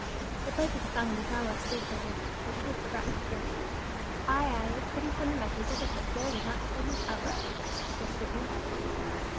The place at the fountain was now left free for Inez, but she had forgotten her thirst. "Ay, ay; it's pity for him, I take it, that the bull did not kill him outright," said the fruit man.